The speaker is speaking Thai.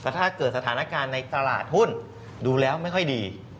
ถ้าเกิดสถานการณ์ในตลาดหุ้นดูแล้วไม่ค่อยดี